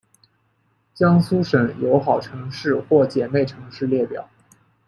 江苏省友好城市或姐妹城市列表